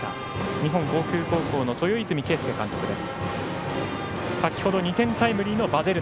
日本航空高校の豊泉啓介監督です。